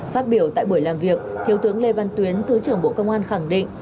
phát biểu tại buổi làm việc thiếu tướng lê văn tuyến thứ trưởng bộ công an khẳng định